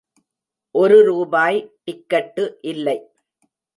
ஒரு ரூபாய் டிக்கட்டு இல்லை.